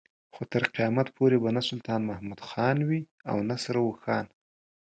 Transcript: خو تر قيامت پورې به نه سلطان محمد خان وي او نه سره اوښان.